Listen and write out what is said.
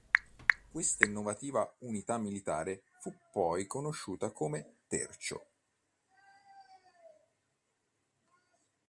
Questa innovativa unità militare fu poi conosciuta come tercio.